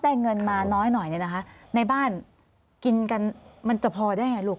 ได้เงินมาน้อยเนี่ยนะคะในบ้านกินกันมันจะพอได้อย่างไรลูก